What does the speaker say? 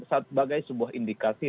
sebagai sebuah indikasi